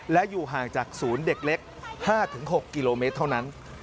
และอยู่ห่างจากศูนย์เด็กเล็ก๕๖กิโลเมตรเท่านั้น